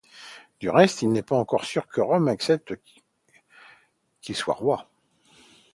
Du reste il n'est pas encore sûr que Rome accepte qu'il soit roi.